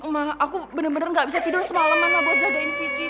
ma aku bener bener gak bisa tidur semalam mama buat jagain vicky